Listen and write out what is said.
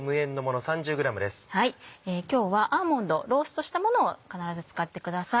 今日はアーモンドローストしたものを必ず使ってください。